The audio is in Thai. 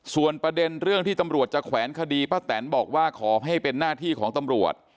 ส่วนประเด็นเรื่องที่ตำรวจจะแขวนคดีป้าแตนบอกว่าขอให้เป็นหน้าที่ของตำรวจ